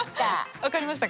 分かりましたか？